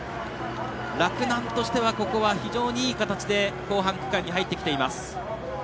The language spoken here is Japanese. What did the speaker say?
洛南としてはここは非常にいい形で後半区間に入ってきています。